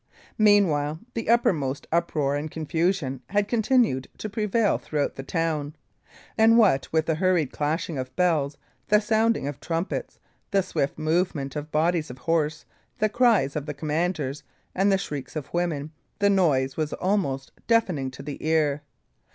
Meanwhile the utmost uproar and confusion had continued to prevail throughout the town; and what with the hurried clashing of bells, the sounding of trumpets, the swift movement of bodies of horse, the cries of the commanders, and the shrieks of women, the noise was almost deafening to the ear.